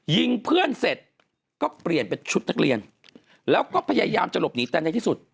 ยิงเพื่อนเสร็จก็เปลี่ยนเป็นชุดนักเรียนแล้วก็พยายามจะหลบหนีแต่ในที่สุด